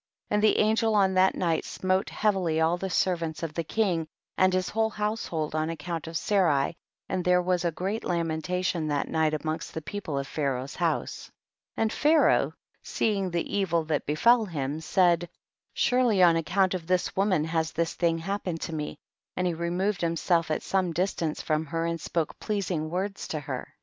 25. And the angel on that night smote heavily all the servants of the king, and his whole household, on account of Sarai, and there was a great lamentation that night amongst the people of Pharaoh's house. 26. And Pharaoh, seeing the evil that befel him, said, surely on account •of this woman has this thing happen ed to me, and he removed liimself at ^ome distance from her and spoke pleasing words* to her. 27.